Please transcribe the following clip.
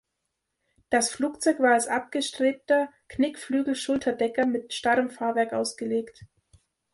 Das Flugzeug war als abgestrebter Knickflügel-Schulterdecker mit starrem Fahrwerk ausgelegt.